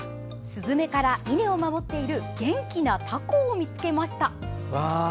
スズメから稲を守っている元気なたこを見つけました。